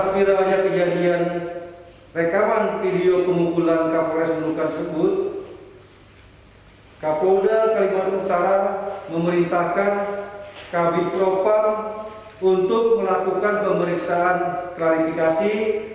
merintahkan kabit propam untuk melakukan pemeriksaan klarifikasi